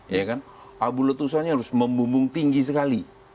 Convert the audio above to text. ya kan abu letusannya harus membumbung tinggi sekali